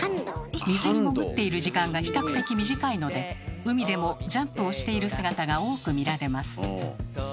水に潜っている時間が比較的短いので海でもジャンプをしている姿が多く見られます。